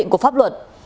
của pháp luật